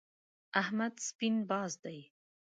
احمد سپين باز دی.